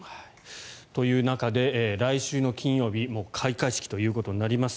という中で来週の金曜日もう開会式ということになります。